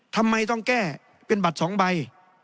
ทำไมต้องแก้เป็นบัตร๒ใบ